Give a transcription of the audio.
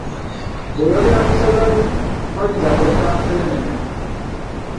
Bw’oyogera ku ssaza Buddu toyinza kuleka Nseenene.